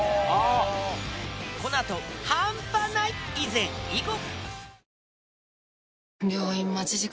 このあと半端ない以前以後。